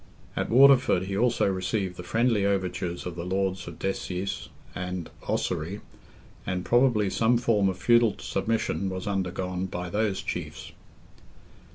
At Waterford he also received the friendly overtures of the lords of Desies and Ossory, and probably some form of feudal submission was undergone by those chiefs.